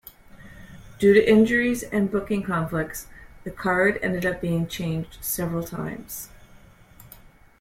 Due to injuries and booking conflicts, the card ended up being changed several times.